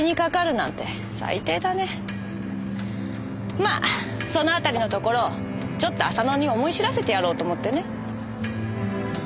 まあそのあたりのところをちょっと浅野に思い知らせてやろうと思ってね。